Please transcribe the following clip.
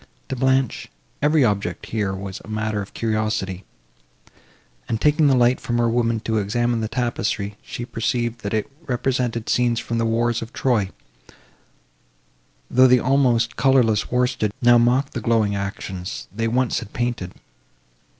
To Blanche, every object here was matter of curiosity; and, taking the light from her woman to examine the tapestry, she perceived, that it represented scenes from the wars of Troy, though the almost colourless worsted now mocked the glowing actions they once had painted.